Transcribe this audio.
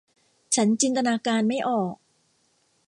ฉันจินตนาการไม่ออก